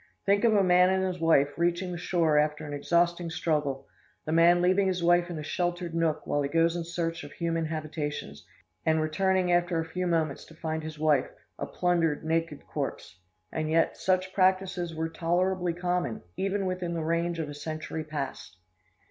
Think of a man and his wife reaching the shore after an exhausting struggle; the man leaving his wife in a sheltered nook while he goes in search of human habitations, and returning after a few moments to find his wife, a plundered, naked corpse! And yet, such practices were tolerably common, even within the range of a century past!